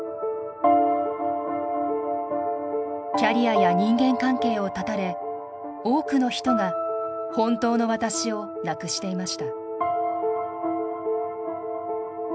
キャリアや人間関係を絶たれ多くの人が「本当の私」をなくしていました。